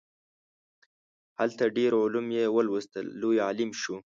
هلته ډیر علوم یې ولوستل لوی عالم شو.